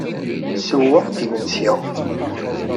Ssewweɣ-d imensi.